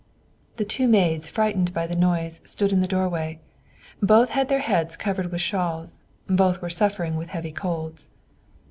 The two maids, frightened by the noise, stood in the doorway. Both had their heads covered with shawls; both were suffering with heavy colds.